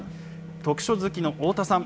読書好きの太田さん。